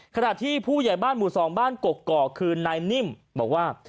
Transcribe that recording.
ขณะที่ผู้ใหญ่บ้านหมู่๒บ้านกกอกคือนายนิ่มบอกว่า